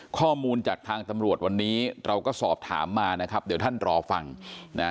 ข้อมูลจากทางตำรวจวันนี้เราก็สอบถามมานะครับเดี๋ยวท่านรอฟังนะ